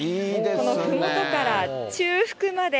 このふもとから中腹まで。